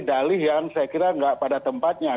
dalih yang saya kira nggak pada tempatnya